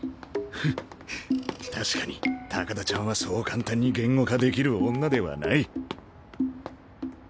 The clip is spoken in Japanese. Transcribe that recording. ふっ確かに高田ちゃんはそう簡単に言語化できる女ではない。